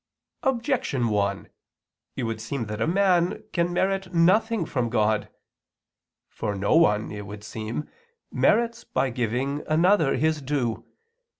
Objection 1: It would seem that a man can merit nothing from God. For no one, it would seem, merits by giving another his due.